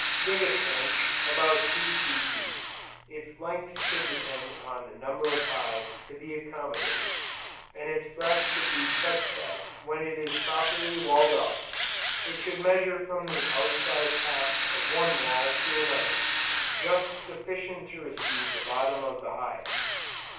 Dig a trench, about two feet deep; its length should depend upon the number of hives to be accommodated; and its breadth should be such that when it is properly walled up, it should measure from the outside top of one wall to another, just sufficient to receive the bottom of the hive.